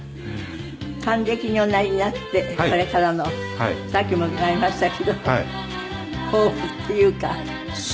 還暦におなりになってこれからのさっきも伺いましたけど抱負っていうか。